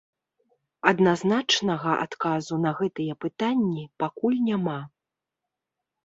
Адназначнага адказу на гэтыя пытанні пакуль няма.